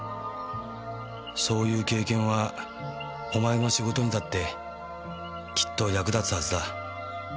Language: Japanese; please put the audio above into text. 「そういう経験はお前の仕事にだってきっと役立つはずだ」